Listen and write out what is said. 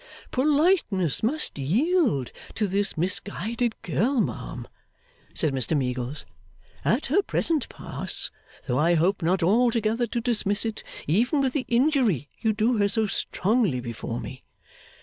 'Politeness must yield to this misguided girl, ma'am,' said Mr Meagles, 'at her present pass; though I hope not altogether to dismiss it, even with the injury you do her so strongly before me.